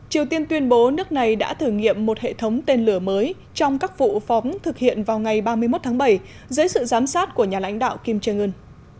triều tiên tuyên bố nước này đã thử nghiệm một hệ thống tên lửa mới trong các vụ phóng thực hiện vào ngày ba mươi một tháng bảy dưới sự giám sát của nhà lãnh đạo kim jong un